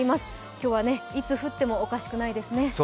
今日はいつ降ってもおかしくないですね。